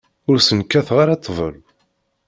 Ur sen-kkateɣ ara ṭṭbel.